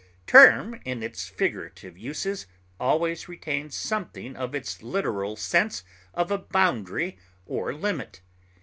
Term in its figurative uses always retains something of its literal sense of a boundary or limit.